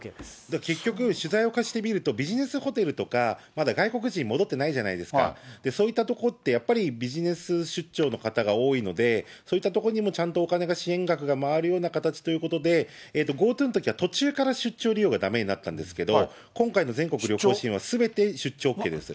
結局、取材をしてみると、ビジネスホテルとか、まだ外国人戻ってないじゃないですか、そういったところでやっぱり、ビジネス出張の方が多いので、そういったところにもちゃんとお金が、支援額が回るような形ということで、ＧｏＴｏのときは途中から出張利用がだめになったんですけれども、今回の全国旅行支援はすべて出張ＯＫです。